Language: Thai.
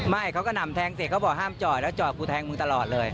ไม่เขาก็นำแทงเสร็จเขาบอกห้ามจอดแล้วจอดกูแทงมึงตลอดเลย